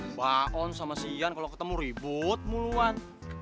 mbak on sama si ian kalo ketemu ribut muluan